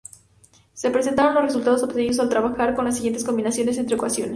Se presentan los resultados obtenidos al trabajar con las siguientes combinaciones entre ecuaciones.